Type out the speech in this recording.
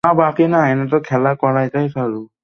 কোন আবুলই করবে না।